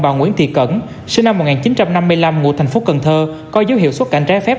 ngụ thành phố cần thơ coi dấu hiệu xuất cảnh trái phép